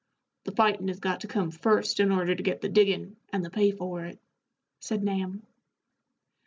"The fightin' has got to come first in order to get the diggin', and the pay for it," said Nahum.